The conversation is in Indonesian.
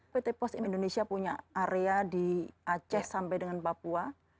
pt pos indonesia punya area di aceh sampai dengan papua